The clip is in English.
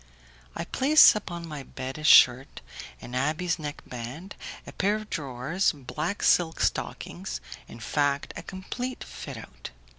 I place upon my bed a shirt, an abbé's neckband, a pair of drawers, black silk stockings in fact, a complete fit out.